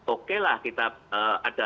okelah kita ada